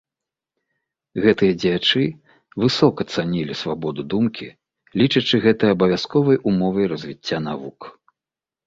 Гэтыя дзеячы высока цанілі свабоду думкі, лічачы гэта абавязковай умовай развіцця навук.